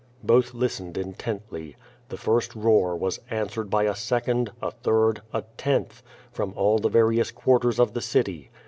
Both listened intently. The first roar wa« answered bv a second, a third, a tenth, from all the various quarters of the city.